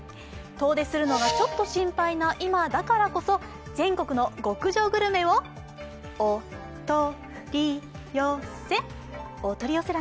遠出するのがちょっと心配な今だからこそ全国の極上グルメをお・と・り・よ・せ。